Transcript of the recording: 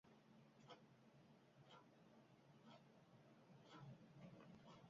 Узровень возера можа значна вагацца у залежнасці ад пары года і пагодных умоў.